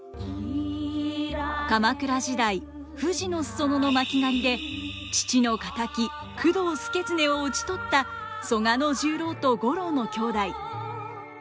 鎌倉時代富士の裾野の巻狩で父の敵工藤祐経を討ち取った曽我十郎と五郎の兄弟。